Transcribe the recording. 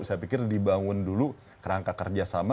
saya pikir dibangun dulu kerangka kerjasama